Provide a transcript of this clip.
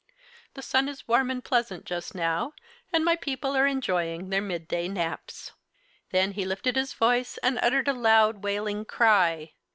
"The sun is warm and pleasant just now, and my people are enjoying their mid day naps." He then lifted his voice and uttered a loud, wailing cry.